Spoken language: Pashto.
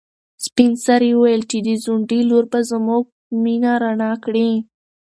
سپین سرې وویل چې د ځونډي لور به زموږ مېنه رڼا کړي.